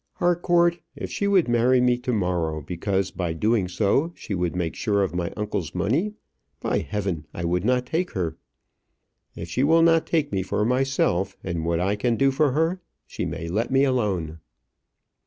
"Harcourt, if she would marry me to morrow because by doing so she would make sure of my uncle's money, by heaven, I would not take her! If she will not take me for myself, and what I can do for her, she may let me alone."